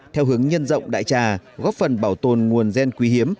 theo hướng nhân rộng đại trà góp phần bảo tồn nguồn gen quý hiếm